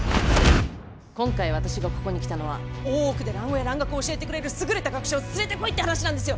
今回私がここに来たのは大奥で蘭語や蘭学を教えてくれる優れた学者を連れてこいって話なんですよ！